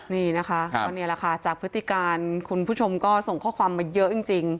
นี่นะคะก็นี่แหละค่ะจากพฤติการคุณผู้ชมก็ส่งข้อความมาเยอะจริง